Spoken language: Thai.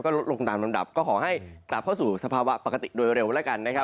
ลดลงตามลำดับก็ขอให้กลับเข้าสู่สภาวะปกติโดยเร็วแล้วกันนะครับ